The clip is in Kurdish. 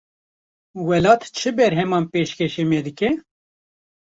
Welat çi berheman pêşkêşî me dike?